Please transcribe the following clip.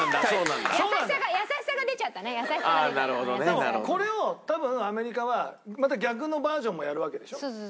でもこれを多分アメリカはまた逆のバージョンもやるわけでしょ？